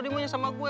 dia mau nyasama gue